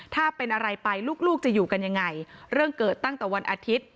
ถ้าเป็นอะไรไปลูกลูกจะอยู่กันยังไงเรื่องเกิดตั้งแต่วันอาทิตย์